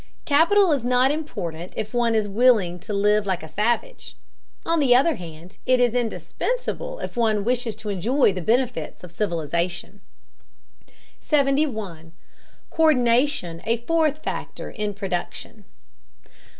Capital is not important if one is willing to live like a savage; on the other hand, it is indispensable if one wishes to enjoy the benefits of civilization. 71. COÍRDINATION A FOURTH FACTOR IN PRODUCTION.